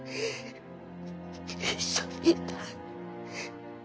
一緒にいたい